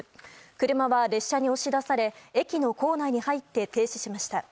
車は列車に押し出され駅の構内に入って停止しました。